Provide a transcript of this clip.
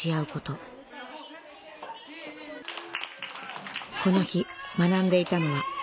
この日学んでいたのは「落語」。